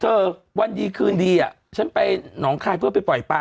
วันดีคืนดีอ่ะฉันไปหนองคายเพื่อไปปล่อยปลา